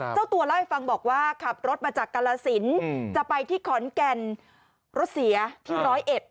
เจ้าตัวเล่าให้ฟังบอกว่าขับรถมาจากกรสินจะไปที่ขอนแก่นรถเสียที่ร้อยเอ็ด